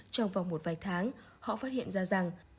trong vòng một vài tháng họ phát hiện ra rằng